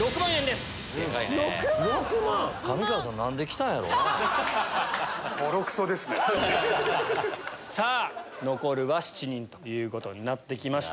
６万⁉さぁ残るは７人ということになってきました。